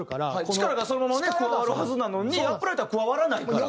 力がそのままね加わるはずなのにアップライトは加わらないから。